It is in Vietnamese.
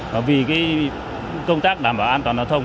và vì công tác đảm bảo an toàn đào thông